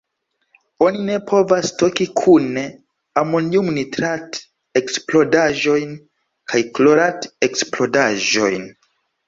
Oni ne povas stoki kune amoniumnitrat-eksplodaĵojn kaj Klorat-eksplodaĵojn.